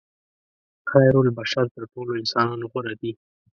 خیرالبشر تر ټولو انسانانو غوره دي.